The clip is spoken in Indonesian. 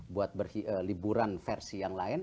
buat liburan versi yang lain